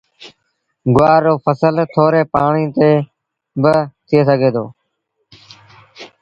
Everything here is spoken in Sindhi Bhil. گُوآر رو ڦسل ٿوري پآڻيٚ تي با ٿئي سگھي دو